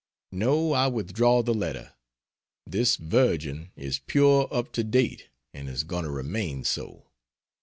No, I withdraw the letter. This virgin is pure up to date, and is going to remain so.